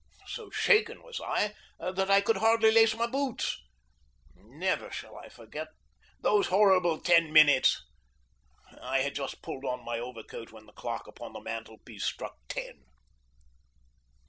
So shaken was I that I could hardly lace my boots. Never shall I forget those horrible ten minutes. I had just pulled on my overcoat when the clock upon the mantel piece struck ten.